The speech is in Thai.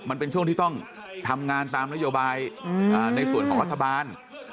มันเป็นช่วงที่ต้องทำงานตามนโยบายในส่วนของรัฐบาล